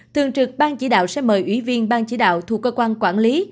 thường trực ban chỉ đạo sẽ mời ủy viên ban chỉ đạo thuộc cơ quan quản lý